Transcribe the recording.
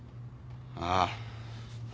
ああ。